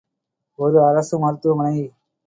ஒரு அரசு மருத்துவமனை.